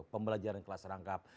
pembelajaran kelas rangkap